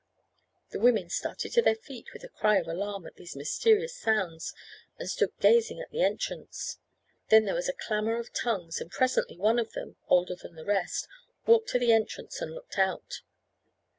The women started to their feet with a cry of alarm at these mysterious sounds, and stood gazing at the entrance; then there was a clamour of tongues, and presently one of them, older than the rest, walked to the entrance and looked out.